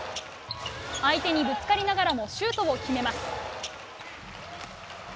相手にぶつかりながらもシュートを決めます。